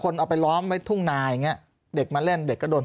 เอาไปล้อมไว้ทุ่งนาอย่างเงี้เด็กมาเล่นเด็กก็โดน